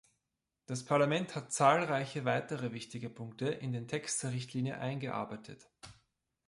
Das Parlament hat zahlreiche weitere wichtige Punkte in den Text der Richtlinie eingearbeitet.